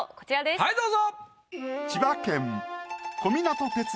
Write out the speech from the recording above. はいどうぞ。